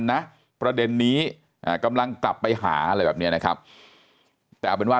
นะประเด็นนี้กำลังกลับไปหาอะไรแบบเนี้ยนะครับแต่เอาเป็นว่า